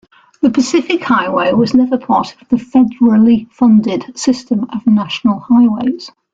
The Pacific Highway was never part of the federally funded system of National Highways.